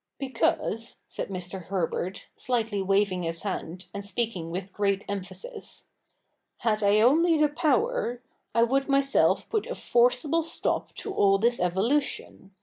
' Because,' said Mr. Herbe. l, slightly waving his hand, and speaking with great emphasis, 'had I only the power, I would myself put a forcible stop to all this evolution.